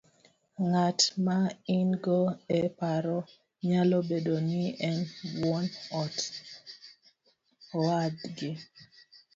Ng'at ma in go e paro nyalo bedo ni en wuon ot, owadgi,